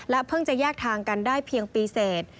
เพิ่งจะแยกทางกันได้เพียงปีเสร็จ